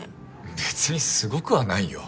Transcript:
別にすごくはないよ。